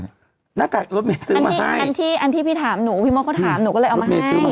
ระยะรถเมศซื้อมาให้อันที่พี่ถามหนูก็ก็เลยเอามาให้